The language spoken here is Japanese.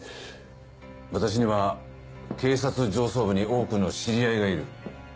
私には警察上層部に多くの知り合いがいる。